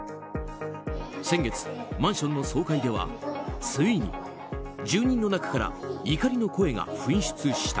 先月、マンションの総会ではついに住人の中から怒りの声が噴出した。